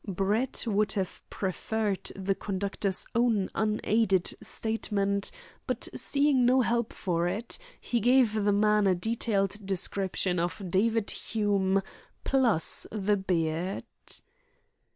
Brett would have preferred the conductor's own unaided statement, but seeing no help for it, he gave the man a detailed description of David Hume, plus the beard.